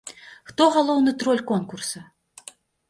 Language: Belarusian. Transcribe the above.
Хто галоўны троль конкурса?